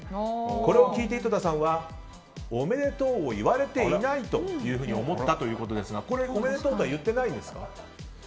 これを聞いて、井戸田さんはおめでとうを言われていないと思ったということですがこれ、おめでとうとは言ってないんですか？